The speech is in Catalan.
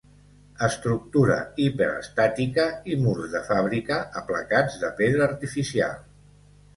Estructura hiperestàtica i murs de fàbrica aplacats de pedra artificial.